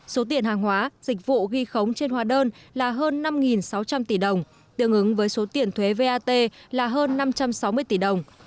số tiền hàng hóa dịch vụ ghi khống trên hóa đơn là hơn năm sáu trăm linh tỷ đồng tương ứng với số tiền thuế vat là hơn năm trăm sáu mươi tỷ đồng